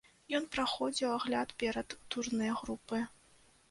Ён праходзіў агляд перад турнэ групы.